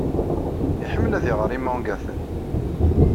Iḥemmel ad iɣer imangaten.